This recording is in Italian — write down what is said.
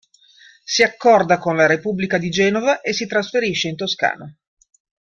Si accorda con la Repubblica di Genova e si trasferisce in Toscana.